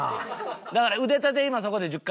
だから腕立て今そこで１０回やってから。